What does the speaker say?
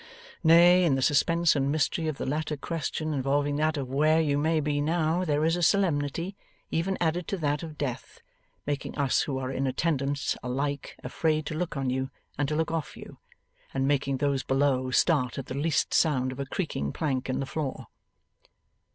Nay, in the suspense and mystery of the latter question, involving that of where you may be now, there is a solemnity even added to that of death, making us who are in attendance alike afraid to look on you and to look off you, and making those below start at the least sound of a creaking plank in the floor.